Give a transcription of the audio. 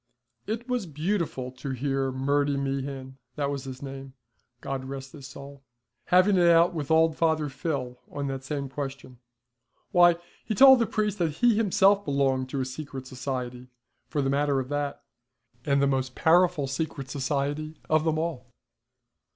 It was beautiful to hear Murty Meehan, that was his name, God rest his soul! having it out with old Father Phil on that same question. Why, he told the priest that he himself belonged to a secret society, for the matter of that, and the most powerful secret society of them all.